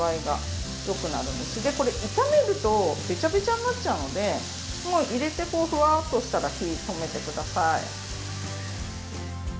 でこれ炒めるとべちゃべちゃになっちゃうのでもう入れてこうふわっとしたら火を止めて下さい。